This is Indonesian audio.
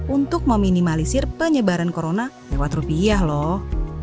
untuk meminimalisir penyebaran corona lewat rupiah loh